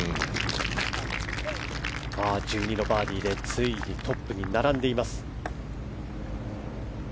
１２のバーディーでついにトップに並んでいます。